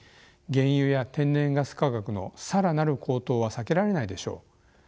原油や天然ガス価格の更なる高騰は避けられないでしょう。